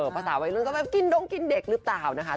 พาสาวาเลี่ยงเข้าไปลงกินเด็กหรือเปล่านะคะ